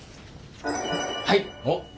はい！